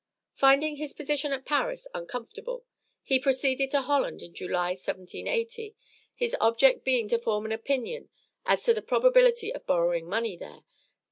Finding his position at Paris uncomfortable, he proceeded to Holland in July, 1780, his object being to form an opinion as to the probability of borrowing money there.